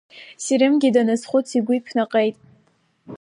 Серымгьы даназхәыц игәы иԥнаҟеит.